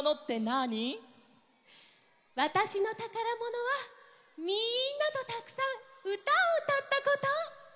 わたしのたからものはみんなとたくさんうたをうたったこと。